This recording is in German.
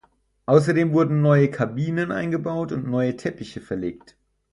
Außerdem wurden neue Kabinen eingebaut und neue Teppiche verlegt.